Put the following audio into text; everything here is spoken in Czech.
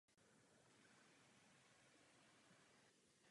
Titul tak získalo Československo.